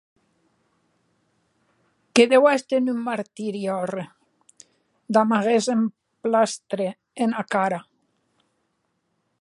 Que deu èster en un martiri òrre damb aguest emplastre ena cara.